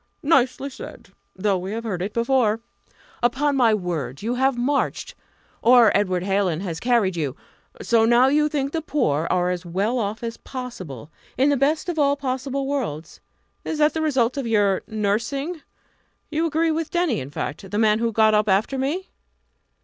"Nicely said! though we have heard it before. Upon my word, you have marched! or Edward Hallin has carried you. So now you think the poor are as well off as possible, in the best of all possible worlds is that the result of your nursing? You agree with Denny, in fact? the man who got up after me?"